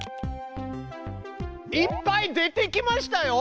いっぱい出てきましたよ！